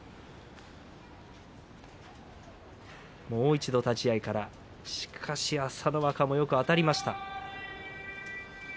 もう一度立ち合いからしかし朝乃若もよくあたりました。